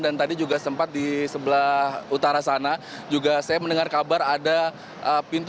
dan tadi juga sempat di sebelah utara sana juga saya mendengar kabar ada pintu